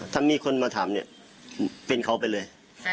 ถ้ามีคนมาถามเนี่ยเป็นเขาไปเลย